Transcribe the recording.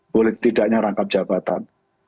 boleh tidaknya rangkap jabatan